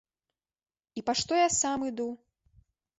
І па што я сам іду?